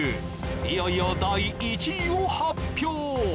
いよいよ第１位を発表！